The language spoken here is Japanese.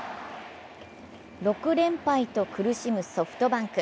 ６連敗と苦しむソフトバンク。